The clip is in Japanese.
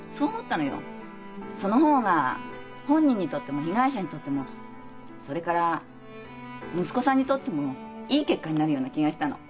その方が本人にとっても被害者にとってもそれから息子さんにとってもいい結果になるような気がしたの。